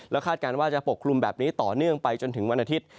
คาดการณ์ว่าจะปกคลุมแบบนี้ต่อเนื่องไปจนถึงวันอาทิตย์